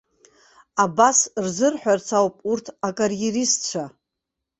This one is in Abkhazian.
Абас рзырҳәарц ауп урҭ акариеристцәа.